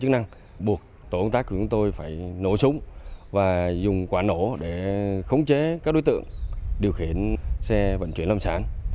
năng buộc tổ công tác của chúng tôi phải nổ súng và dùng quả nổ để khống chế các đối tượng điều khiển xe vận chuyển lâm sản